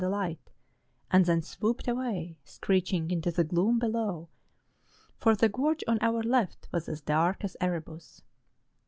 the light, and then swooped away, screeching into the gloom below, for the gorge on our left was as dark as Erebus.